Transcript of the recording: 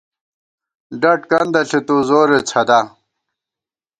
ڈَڈ کندہ ݪِتُو زورے څھدا